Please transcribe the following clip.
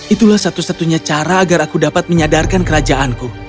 itulah satu satunya cara agar aku dapat menyadarkan kerajaanku